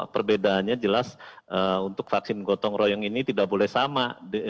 perbedaannya jelas untuk vaksin gotong royong ini tidak boleh sama